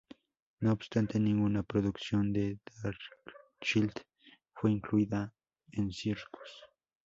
No obstante, ninguna producción de Darkchild fue incluida en "Circus".